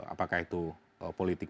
apakah itu politik